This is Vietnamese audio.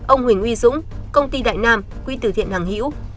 ông huỳnh uy dũng công ty đại nam quỹ tử thiện hằng hiễu